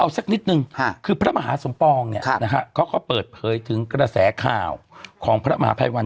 สักนิดนึงคือพระมหาสมปองเนี่ยนะฮะเขาก็เปิดเผยถึงกระแสข่าวของพระมหาภัยวัน